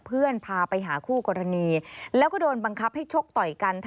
เพื่อนพาไปหาคู่กรณีแล้วก็โดนบังคับให้ชกต่อยกัน